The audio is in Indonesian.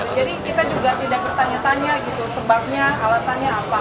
jadi kita juga tidak bertanya tanya sebabnya alasannya apa